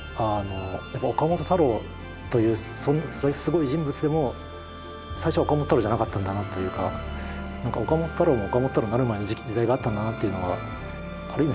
やっぱ岡本太郎というすごい人物でも最初は岡本太郎じゃなかったんだなというか岡本太郎が岡本太郎になるまでの時代があったんだなっていうのはある意味